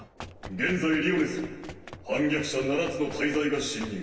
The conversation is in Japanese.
現在リオネスに反逆者七つの大罪が侵入。